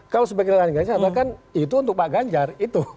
kalau sebagai relawan ganjar bahkan itu untuk pak ganjar itu